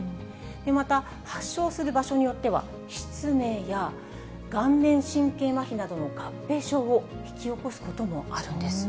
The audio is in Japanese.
また、発症する場所によっては、失明や顔面神経まひなどの合併症を引き起こすこともあるんです。